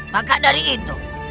maka dari itu